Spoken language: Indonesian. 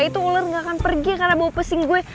itu ular ga akan pergi karena bau pesing gue